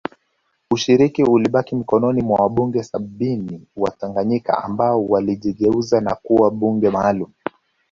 Ushiriki ulibaki mikononi mwa wabunge sabini wa Tanganyika ambao walijigeuza na kuwa bunge maalum